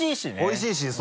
おいしいしそう。